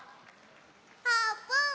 あーぷん